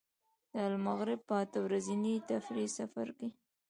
د المغرب په اته ورځني تفریحي سفر کې.